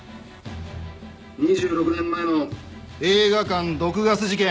２６年前の映画館毒ガス事件。